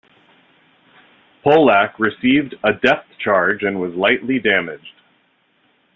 "Pollack" received a depth charge attack and was lightly damaged.